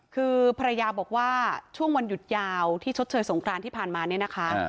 คือภรรยาบอกว่าช่วงวันหยุดยาวที่ชดเชยสงครานที่ผ่านมาเนี่ยนะคะ